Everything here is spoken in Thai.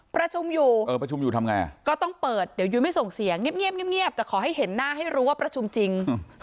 ประชุมอยู่เออประชุมอยู่ทำไงก็ต้องเปิดเดี๋ยวยุ้ยไม่ส่งเสียงเงียบแต่ขอให้เห็นหน้าให้รู้ว่าประชุมจริง